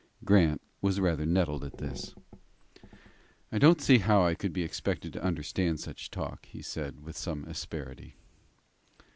Grant was rather nettled at this. "I don't see how I could be expected to understand such talk," he said, with some asperity.